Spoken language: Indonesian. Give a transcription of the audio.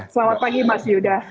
selamat pagi mas yuda